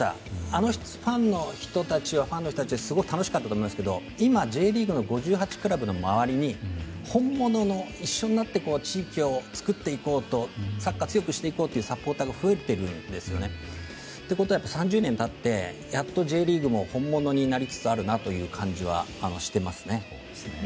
あのファンの人たちはファンの人たちですごく楽しかったと思うんですけど今、Ｊリーグ５８クラブの周りに本物の、一緒になって地域を作っていこうというサッカー強くしていこうというサポーターが増えているんですよね。ということは３０年経ってやっとＪリーグも本物になりつつあるなという感じはしていますね。